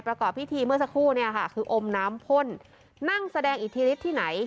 ประกอบพิธีเมื่อสักครู่เนี่ยค่ะคืออมน้ำพ่นนั่งแสดงอิทธิฤทธิที่ไหน